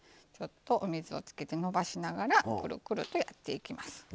お水をつけてのばしながらくるくるとやっていきます。